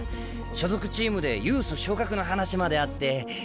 所属チームでユース昇格の話まであって。